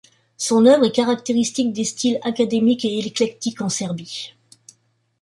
Son œuvre est caractéristique des styles académique et éclectique en Serbie.